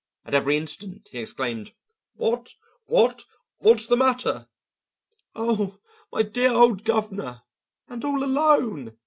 At every instant he exclaimed: "What? What? What's the matter?" "Oh, my dear old governor and all alone!"